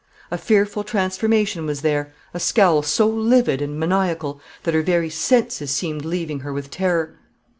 A fearful transformation was there a scowl so livid and maniacal, that her very senses seemed leaving her with terror.